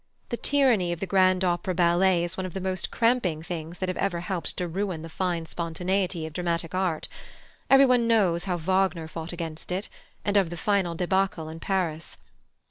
The tyranny of the grand opera ballet is one of the most cramping things that have ever helped to ruin the fine spontaneity of dramatic art. Everyone knows how Wagner fought against it, and of the final débâcle in Paris.